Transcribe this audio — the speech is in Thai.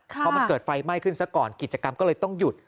พอมันเกิดไฟไหม้ขึ้นซะก่อนกิจกรรมก็เลยต้องหยุด